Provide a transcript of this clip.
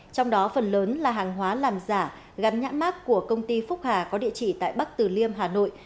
trong đó phần lớn là hàng hóa làm giả gắn nhãn mát của công ty phúc hà có địa chỉ tại bắc tử liêm hà nội